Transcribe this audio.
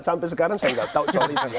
sampai sekarang saya tidak tahu soal itu